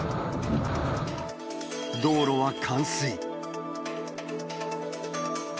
道路は冠水。